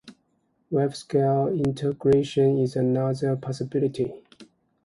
Wafer-scale integration is another possibility.